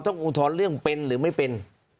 อุทธรณ์เรื่องเป็นหรือไม่เป็น